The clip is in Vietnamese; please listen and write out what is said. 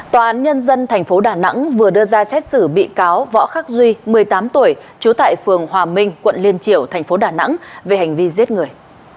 tòa án nhân dân thành phố đà nẵng vừa đưa ra xét xử bị cáo võ khắc duy một mươi tám tuổi chú tại phường hòa minh quận liên triều thành phố đà nẵng về hành vi giết người